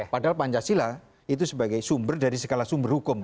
padahal pancasila itu sebagai sumber dari segala sumber hukum